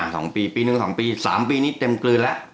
สองปีปีหนึ่งสองปีสามปีนี้เต็มกลืนแล้ว